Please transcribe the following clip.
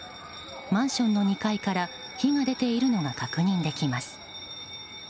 マンションの２階から火が出ているのが確認できます。